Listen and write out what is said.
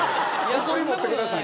誇り持ってください。